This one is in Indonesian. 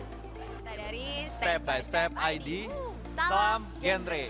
kita dari step by step id some genre